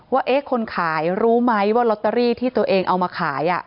ว่าคนขายรู้ไหมว่าลอตเตอรี่ที่ตัวเองเอามาขาย